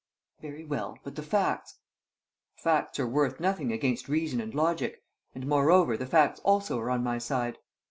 "Very well. But the facts?" "Facts are worth nothing against reason and logic; and, moreover, the facts also are on my side.